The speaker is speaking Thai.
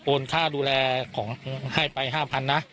ค่าดูแลของให้ไป๕๐๐๐นะ